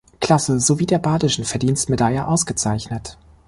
Klasse sowie der badischen Verdienstmedaille ausgezeichnet.